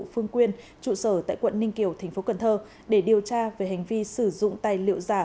phương quyên trụ sở tại quận ninh kiều thành phố cần thơ để điều tra về hành vi sử dụng tài liệu giả